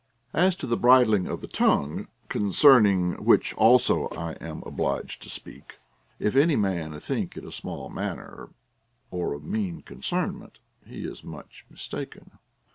And as to the bridling of the tongue, concerning which also I am obliged to speak, if any man think it a small matter or of mean concernment, he is much mistaken.